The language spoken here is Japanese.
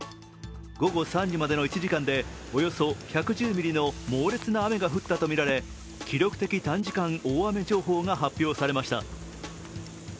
午後３時までの１時間でおよそ１１０ミリの猛烈な雨が降ったとみられ記録的短時間大雨情報が発表されました。